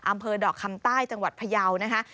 อำเภอดอกคำใต้จังหวัดพยาวนะคะ